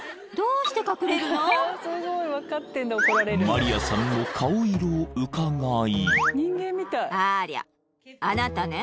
［マリアさんの顔色をうかがい］